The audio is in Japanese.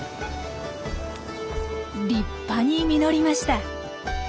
立派に実りました。